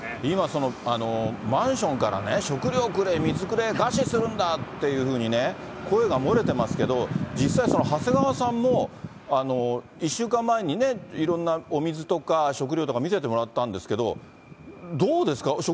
今、マンションからね、食料くれ、水くれ、餓死するんだっていうふうにね、声が漏れてますけど、実際、長谷川さんも１週間前にいろんなお水とか、食料とか見せてもらったんですけど、どうですか？